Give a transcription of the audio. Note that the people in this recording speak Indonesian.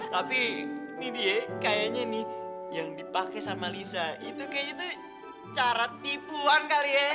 tapi nih di kayaknya nih yang dipake sama liz itu kayaknya tuh cara tipuan kali ya